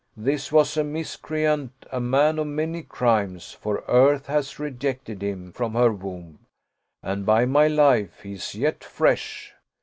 This was a miscreant, a man of many crimes; for earth hath rejected him from her womb, and by my life, he is yet fresh